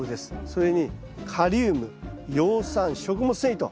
それにカリウム葉酸食物繊維と。